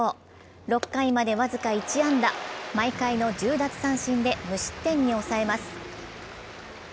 ６回まで僅か１安打、毎回の１０奪三振で無失点に抑えます。